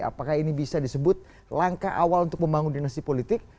apakah ini bisa disebut langkah awal untuk membangun dinasti politik